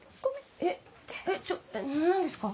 えっちょ何ですか？